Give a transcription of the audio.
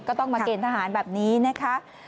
ก็ต้องมาเกณฑหารแบบนี้นะคะ